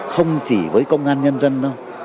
không chỉ với công an nhân dân đâu